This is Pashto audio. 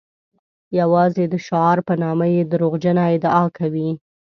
یوازې د شعار په نامه یې دروغجنه ادعا کوي.